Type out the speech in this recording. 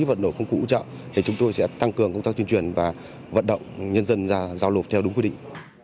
vật lượng nổ công cụ hỗ trợ để chúng tôi sẽ tăng cường công tác tuyên truyền và vận động nhân dân ra giao nộp theo đúng quy định